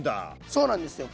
そうなんですよ。